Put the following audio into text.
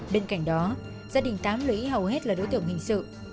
bên cạnh đó gia đình tám lũy hầu hết là đối tượng hình sự